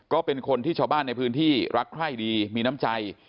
ก็เป็นคนที่ชาวบ้านในพื้นที่รักใคร่ดีมีน้ำใจ